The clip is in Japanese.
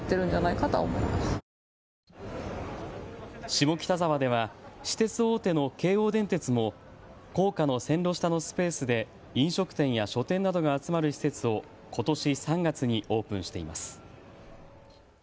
下北沢では私鉄大手の京王電鉄も高架の線路下のスペースで飲食店や書店などが集まる施設をことし３月にオープンしています。